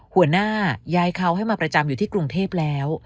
หัวหน้าย้ายเขาให้มาประจำอยู่ที่กรุงเทพแล้ว